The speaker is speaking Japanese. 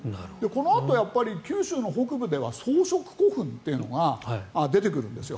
このあと九州の北部では装飾古墳というのが出てくるんですよ。